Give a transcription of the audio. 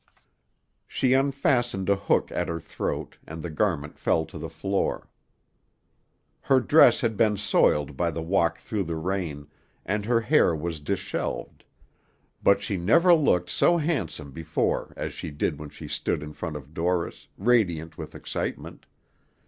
She unfastened a hook at her throat, and the garment fell to the floor. Her dress had been soiled by the walk through the rain, and her hair was dishevelled; but she never looked so handsome before as she did when she stood in front of Dorris, radiant with excitement.